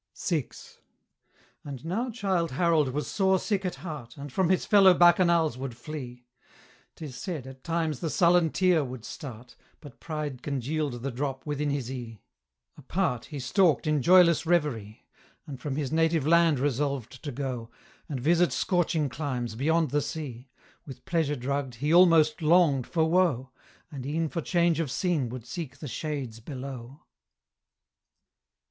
VI. And now Childe Harold was sore sick at heart, And from his fellow bacchanals would flee; 'Tis said, at times the sullen tear would start, But pride congealed the drop within his e'e: Apart he stalked in joyless reverie, And from his native land resolved to go, And visit scorching climes beyond the sea; With pleasure drugged, he almost longed for woe, And e'en for change of scene would seek the shades below.